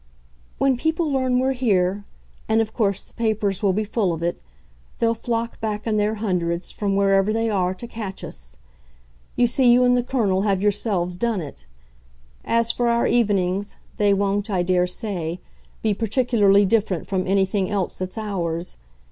"When people learn we're here and of course the papers will be full of it! they'll flock back in their hundreds, from wherever they are, to catch us. You see you and the Colonel have yourselves done it. As for our evenings, they won't, I dare say, be particularly different from anything else that's ours.